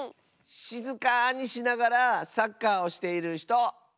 しずかにしながらサッカーをしているひと。